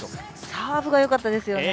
サーブが良かったですね